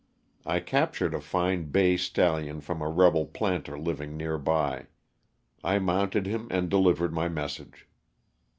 I captured a fine bay stallion from a rebel planter living near by. I mounted him and delivered my message.